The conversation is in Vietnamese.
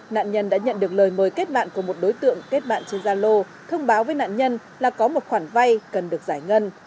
nạn nhân đã nhận được lời mời kết bạn của một đối tượng kết bạn trên gia lô thông báo với nạn nhân là có một khoản vay cần được giải ngân